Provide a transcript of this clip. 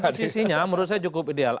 posisinya menurut saya cukup ideal